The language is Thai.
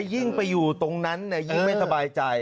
ยิ่งไปอยู่ตรงนั้นยิ่งไม่สบายใจ